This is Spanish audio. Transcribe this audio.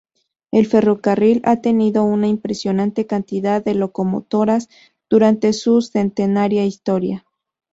El ferrocarril ha tenido una impresionante cantidad de locomotoras durante su centenaria historia.